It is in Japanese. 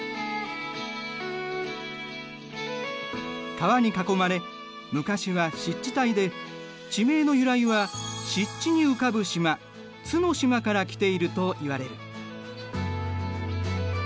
川に囲まれ昔は湿地帯で地名の由来は湿地に浮かぶ島津の島から来ているといわれる。